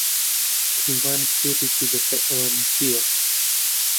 کەیوان کتێبێکی لەسەر ئەوە نووسیوە.